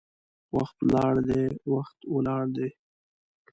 وخت ولاړ دی، وخت ولاړ دی